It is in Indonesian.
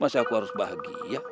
masih aku harus bahagia ya